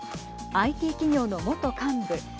ＩＴ企業の元幹部。